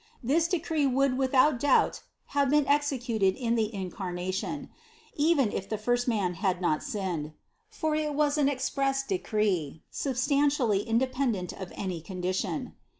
This decree would without doubt have been executed in the Incarna tion, even if the first man had not sinned : for it was an express decree, substantially independent of any con dition.